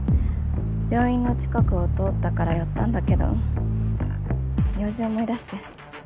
病院の近くを通ったから寄ったんだけど用事を思い出して。